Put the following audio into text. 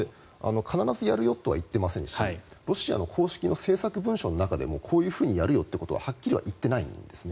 必ずやるよとは言っていませんしロシアの公式の政策文書の中でもこういうふうにやるよとははっきりとは言ってないんです。